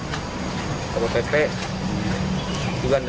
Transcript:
kota bogor mencapai dua puluh dua orang